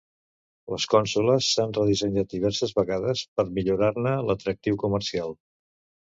Les consoles s'han redissenyat diverses vegades per millorar-ne l'atractiu comercial.